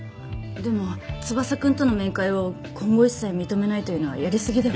でも翼くんとの面会を今後一切認めないというのはやりすぎでは？